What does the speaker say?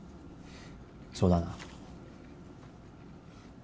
そうだな。